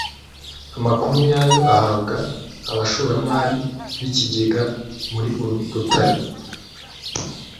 amakuru nyayo ahabwa abashoramari bikigega muri uru rutare